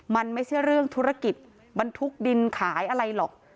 มันไม่ใช่เรื่องธุรกิจบรรทุกดินขายอะไรหรอก